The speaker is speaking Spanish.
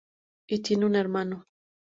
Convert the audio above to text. Y, tiene un hermano.